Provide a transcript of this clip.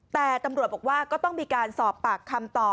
แต่ตำรวจบอกว่าก็ต้องมีการสอบปากคำต่อ